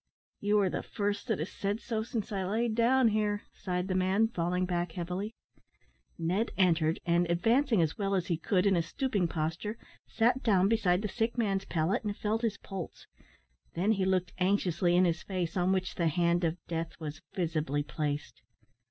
"You are the first that has said so since I lay down here," sighed the man, falling back heavily. Ned entered, and, advancing as well as he could in a stooping posture, sat down beside the sick man's pallet, and felt his pulse. Then he looked anxiously in his face, on which the hand of death was visibly placed.